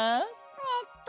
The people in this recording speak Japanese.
えっと。